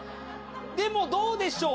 でも、どうでしょう。